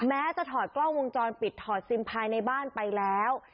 แม้จะถอดกล้องวงจรปิดถอดซิมภายในบ้านไปแล้ว